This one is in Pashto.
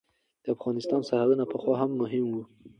د افغانستان سرحدونه پخوا هم مهم وو.